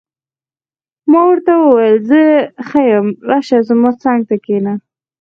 ما ورته وویل: زه ښه یم، راشه، زما څنګ ته کښېنه.